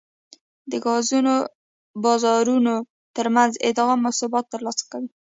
د ګازو بازارونو ترمنځ ادغام او ثبات ترلاسه کوي